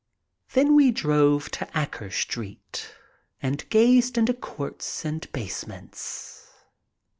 Then we drove to Acker Street and gazed into courts and basements.